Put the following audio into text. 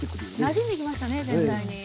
なじんできましたね全体に。